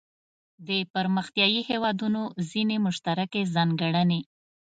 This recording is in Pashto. د پرمختیايي هیوادونو ځینې مشترکې ځانګړنې.